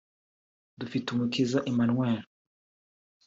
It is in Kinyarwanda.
Dufitumukiza Emmanuel